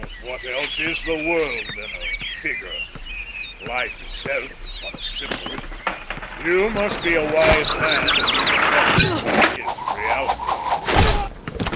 "What else is the world than a figure? Life itself is but a symbol. You must be a wise man if you can tell us what is reality."